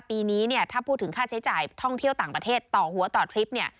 ปีนี้เนี่ยถ้าพูดถึงค่าใช้จ่ายท่องเที่ยวต่างประเทศต่อหัวต่อทริปเนี่ย